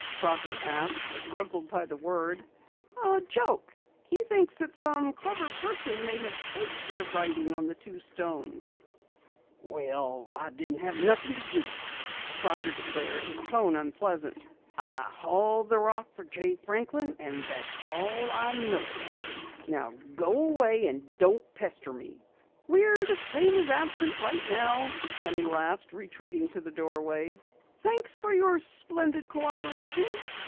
Crocker asked, puzzled by the word. "A joke. He thinks that some clever person may have faked the writing on the two stones." "Well, I didn't have nothing to do with it," Truman Crocker declared, his tone unpleasant. "I hauled the rock for Jay Franklin and that's all I know about it. Now go away and don't pester me." "We're the same as absent right now," Penny laughed, retreating to the doorway. "Thanks for your splendid cooperation."